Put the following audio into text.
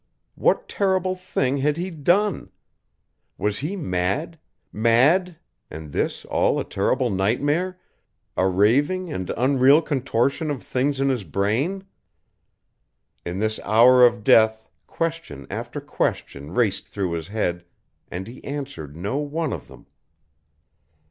What terrible thing had he done? Was he mad mad and this all a terrible nightmare, a raving find unreal contortion of things in his brain? In this hour of death question after question raced through his head, and he answered no one of them.